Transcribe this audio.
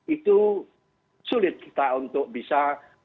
itu sulit kita untuk bisa